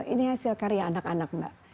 ini hasil karya anak anak mbak